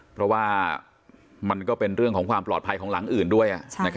เพราะว่ามันก็เป็นเรื่องของความปลอดภัยของหลังอื่นด้วย